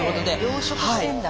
養殖してるんだ。